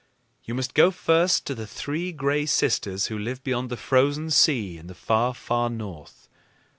"You must go first to the three Gray Sisters, who live beyond the frozen sea in the far, far north.